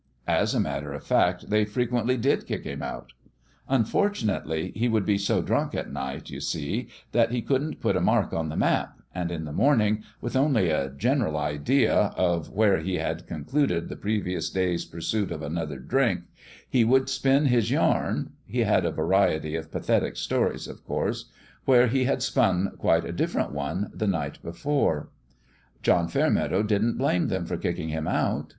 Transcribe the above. As a matter of fact they frequently did kick him out. Un fortunately, he would be so drunk at night, you see, that he couldn't put a mark on the map ; and in the morning, with only a general idea of 160 THEOLOGICAL TRAINING where he had concluded the previous day's pursuit of another drink, he would spin his yarn he had a variety of pathetic stories, of course where he had spun quite a different one the night before. John Fairmeadow didn't blame them for kicking him out.